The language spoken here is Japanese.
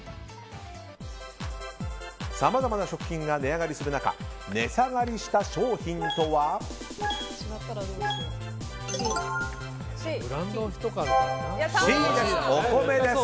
さまざまな食品が値上がりする中値下がりした商品とはＣのお米です。